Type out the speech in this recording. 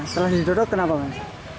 setelah duduk duduk kenapa mas